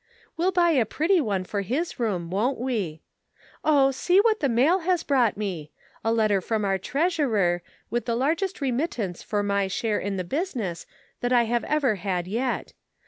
We'll buy a pretty one for his room, won't we ? Oh, see what the mail has brought me ! A letter from our treasurer, with the largest remittance for my share in the business that I have evei had yet.